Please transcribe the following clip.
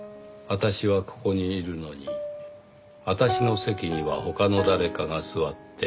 「あたしはここにいるのにあたしの席には他の誰かが座っている」